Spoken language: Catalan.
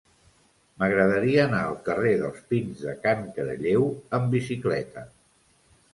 M'agradaria anar al carrer dels Pins de Can Caralleu amb bicicleta.